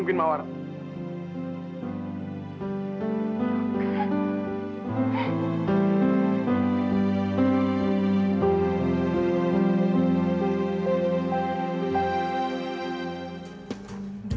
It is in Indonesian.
sekarang yanti tanya sama kamu